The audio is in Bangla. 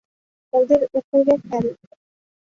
ওদের উপড়ে ফেল!